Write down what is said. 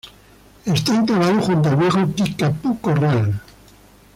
Está enclavado junto al viejo "Kickapoo Corral".